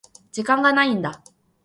時間がないんだ。